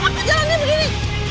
aku jalanin begini